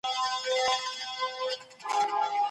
نوښتونه په خپله ژبه کيږي.